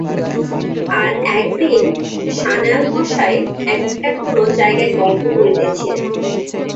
আর একদিন সান্যাল মশায় একটা কোন জায়গার গল্প করিতেছিলেন।